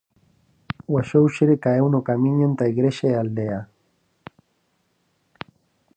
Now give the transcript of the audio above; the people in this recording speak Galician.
O axóuxere caeu no camiño entre a igrexa e a aldea